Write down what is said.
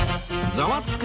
『ザワつく！